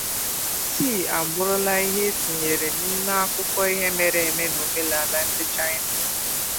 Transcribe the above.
Tii abụrụla ihe etinyere n'ime akụkọ ihe mere eme n' omenaala ndi China.